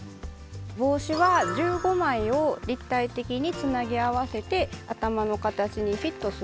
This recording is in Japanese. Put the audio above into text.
帽子は１５枚を立体的につなぎ合わせて頭の形にフィットするように。